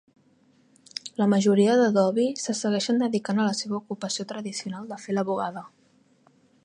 La majoria de dhobi se segueixen dedicant a la seva ocupació tradicional de fer la bugada.